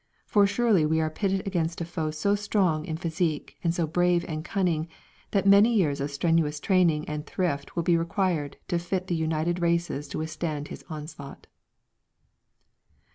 For surely we are pitted against a foe so strong in physique, and so brave and cunning, that many years of strenuous training and thrift will be required to fit the united races to withstand his onslaught.